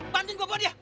bantuin gua buat dia